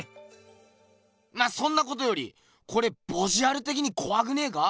まあそんなことよりこれボジュアルてきにこわくねえか？